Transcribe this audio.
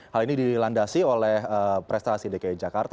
hal ini dilandasi oleh prestasi dki jakarta